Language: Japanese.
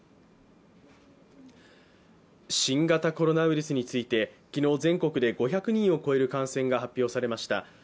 新型コロナウイルスについて昨日、全国で５００人を超える感染が発表されました。